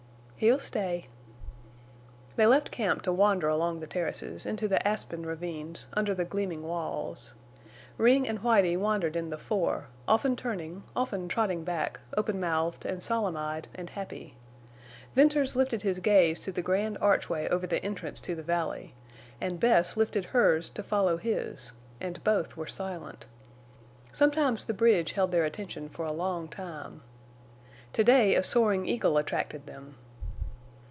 "He'll stay." They left camp to wander along the terraces, into the aspen ravines, under the gleaming walls. Ring and Whitie wandered in the fore, often turning, often trotting back, open mouthed and solemn eyed and happy. Venters lifted his gaze to the grand archway over the entrance to the valley, and Bess lifted hers to follow his, and both were silent. Sometimes the bridge held their attention for a long time. To day a soaring eagle attracted them.